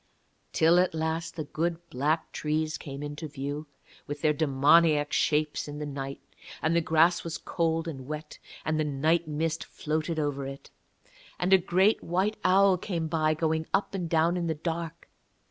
Till at last the good black trees came into view, with their demoniac shapes in the night, and the grass was cold and wet, and the night mist floated over it. And a great white owl came by, going up and down in the dark.